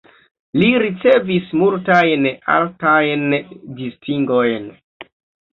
Li ricevis multajn altajn distingojn.